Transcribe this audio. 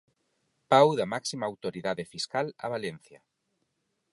Pau da máxima autoridade fiscal a Valencia.